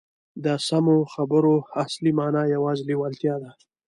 د سمو خبرو اصلي مانا یوازې لېوالتیا ده